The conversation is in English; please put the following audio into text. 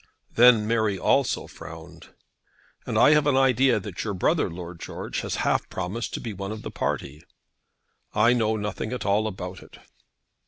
Then Mary also frowned. "And I have an idea that your brother, Lord George, has half promised to be one of the party." "I know nothing at all about it."